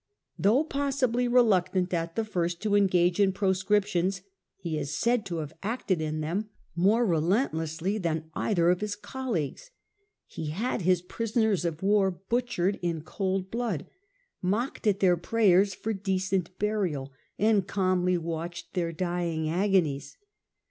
Though possibly reluctant at the first of tem to engage in the proscriptions, he is said to per and have acted in them more relentlessly than either of his colleagues ; he had his prisoners of war butchered in cold blood, mocked at their prayers for decent burial, and calmly watched their dying agonies.